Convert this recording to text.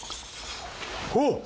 おっ！